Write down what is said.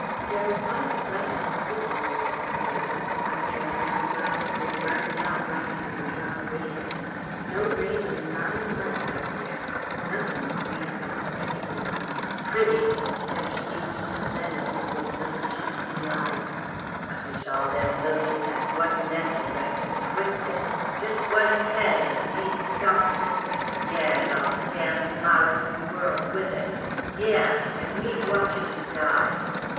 "They're a fine sight to see," mused the other, "after a man's eyes been burned out ridin' the dry range; no rain in nine months up there nothin' green or pretty in " "Pretty!" Tedge seemed to menace with his little shifty eyes. "I wish all them lilies had one neck and I could twist it! Jest one head, and me stompin' it! Yeh! and all the damned flowers in the world with it! Yeh! And me watchin' 'em die!"